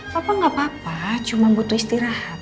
papa nggak apa apa cuma butuh istirahat